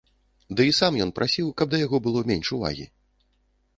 Ды і сам ён прасіў, каб да яго было менш увагі!